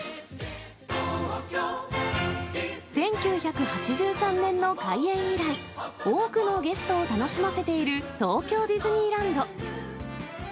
１９８３年の開園以来、多くのゲストを楽しませている東京ディズニーランド。